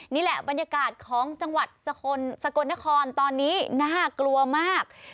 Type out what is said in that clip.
นี่แหละบรรยากาศของจังหวัดสกลนครตอนนี้น่ากลัวมาก